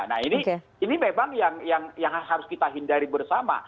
nah ini memang yang harus kita hindari bersama